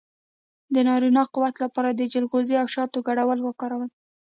د نارینه قوت لپاره د چلغوزي او شاتو ګډول وکاروئ